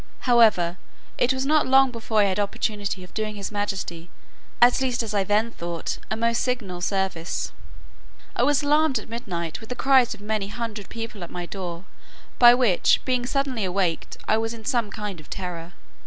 However, it was not long before I had an opportunity of doing his majesty, at least as I then thought, a most signal service. I was alarmed at midnight with the cries of many hundred people at my door; by which, being suddenly awaked, I was in some kind of terror.